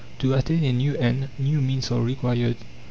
To attain a new end, new means are required.